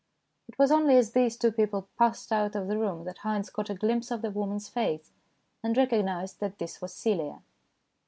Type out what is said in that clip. It was only as these two people passed out of the room that Haynes caught a glimpse of the woman's face, and recognized that this was Celia.